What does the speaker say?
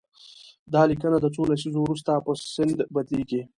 دا لیکنه د څو لسیزو وروسته په سند بدليږي.